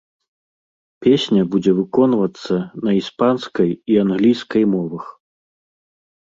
Песня будзе выконвацца на іспанскай і англійскай мовах.